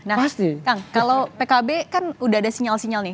nah kang kalau pkb kan udah ada sinyal sinyal nih